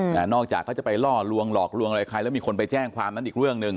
นอกจากเขาจะไปล่อลวงหลอกลวงอะไรใครแล้วมีคนไปแจ้งความนั้นอีกเรื่องหนึ่ง